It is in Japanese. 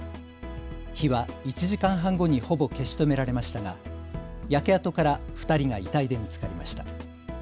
火は１時間半後にほぼ消し止められましたが焼け跡から２人が遺体で見つかりました。